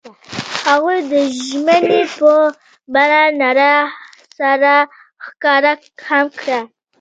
هغوی د ژمنې په بڼه رڼا سره ښکاره هم کړه.